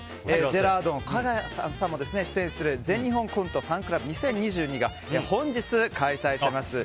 ジェラードン、かが屋さんも出演する全日本コントファンクラブ２０２２が本日、開催されます。